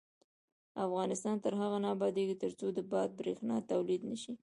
افغانستان تر هغو نه ابادیږي، ترڅو د باد بریښنا تولید نشي.